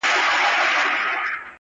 په برخه ستا بېګا سبا سفر دے